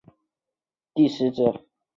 状元张去华第十子。